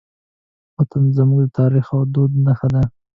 وطن زموږ د تاریخ او دود نښه ده.